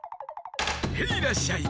ヘイらっしゃい！